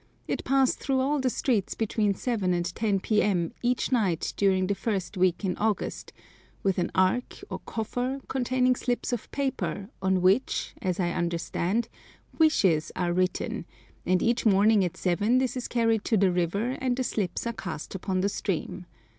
It passes through all the streets between 7 and 10 p.m. each night during the first week in August, with an ark, or coffer, containing slips of paper, on which (as I understand) wishes are written, and each morning at seven this is carried to the river and the slips are cast upon the stream.